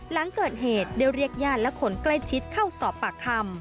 หลังเกิดเหตุได้เรียกญาติและคนใกล้ชิดเข้าสอบปากคำ